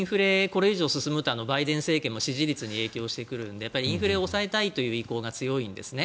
これ以上進むとバイデン政権も支持率に影響してくるのでやっぱりインフレを抑えたいという意向が強いんですね。